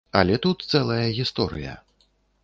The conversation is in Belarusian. Але тут цэлая гісторыя.